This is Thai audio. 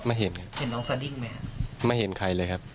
ไม่เห็นครับเห็นนองซาดิ้งมั้ยครับไม่เห็นใครเลยครับ